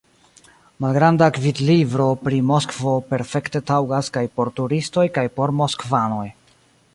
Malgranda gvidlibro pri Moskvo perfekte taŭgas kaj por turistoj kaj por moskvanoj.